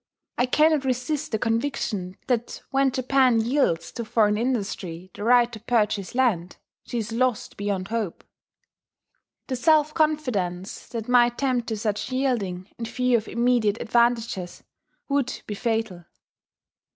I cannot resist the conviction that when Japan yields to foreign industry the right to purchase land, she is lost beyond hope. The self confidence that might tempt to such yielding, in view of immediate advantages, would be fatal.